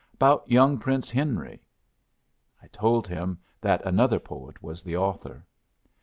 "About young Prince Henry." I told him that another poet was the author.